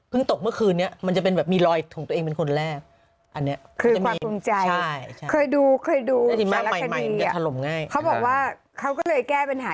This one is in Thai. เพิ่งตกเมื่อคืนนี้มันจะเป็นแบบมีรอยถูกตัวเองเป็นคนแรกคือความภูมิใจเคยดูสารคณีเขาบอกว่าเขาก็เลยแก้ปัญหา